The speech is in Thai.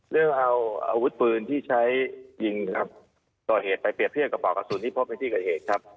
ได้เอาอาวุธปืนที่ใช้ยิงครับก่อเหตุไปเรียบเทียบกับปอกกระสุนที่พบในที่เกิดเหตุครับ